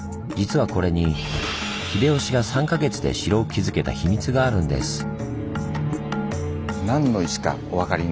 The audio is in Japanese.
実はこれに秀吉が３か月で城を築けた秘密があるんです。